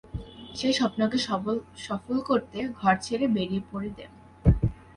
সেই স্বপ্নকে সফল করতে ঘর ছেড়ে বেরিয়ে পড়ে দেব।